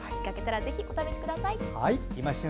ぜひお試しください。